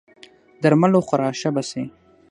درمل وخوره ښه به سې!